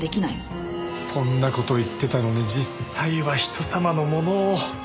そんな事言ってたのに実際は人様のものを。